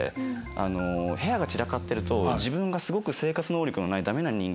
部屋が散らかってると自分がすごく生活能力のないダメな人間